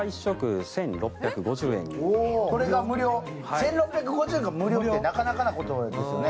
１６５０円が無料ってなかなかなことですよね。